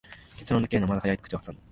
結論づけるのはまだ早いと口をはさむ